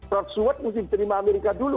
roadsword mesti diterima amerika dulu